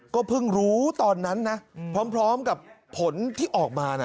ก็เพิ่งรู้ตอนนั้นนะพร้อมกับผลที่ออกมานะ